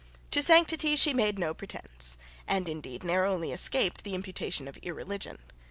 To sanctity she made no pretence, and, indeed, narrowly escaped the imputation of irreligion.